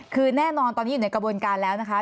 คือแน่นอนตอนนี้อยู่ในกระบวนการแล้วนะคะ